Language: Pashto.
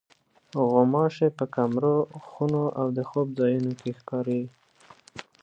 غوماشې په کمرو، خونو او د خوب ځایونو کې ښکاري.